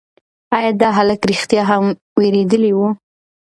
ایا دا هلک رښتیا هم وېرېدلی و؟